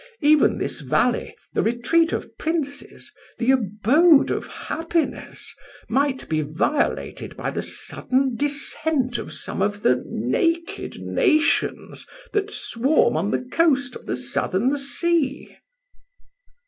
Even this valley, the retreat of princes, the abode of happiness, might be violated by the sudden descent of some of the naked nations that swarm on the coast of the southern sea!"